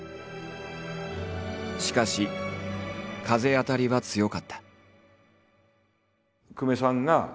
しかし風当たりは強かった。